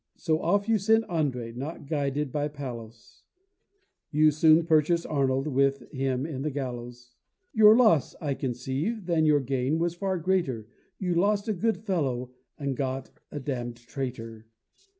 So off you sent André (not guided by Pallas), Who soon purchased Arnold, and with him the gallows; Your loss, I conceive, than your gain was far greater, You lost a good fellow and got a damn'd traitor.